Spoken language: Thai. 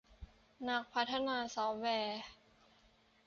นักพัฒนาซอฟแวร์